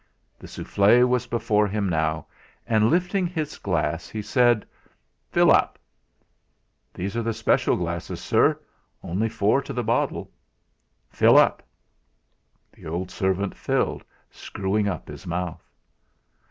The souffle was before him now, and lifting his glass, he said: "Fill up." "These are the special glasses, sir; only four to the bottle." "Fill up." The servant filled, screwing up his mouth.